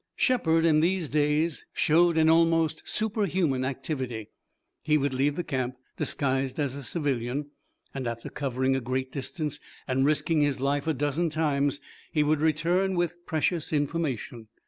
Shepard in these days showed an almost superhuman activity. He would leave the camp, disguised as a civilian, and after covering a great distance and risking his life a dozen times he would return with precious information.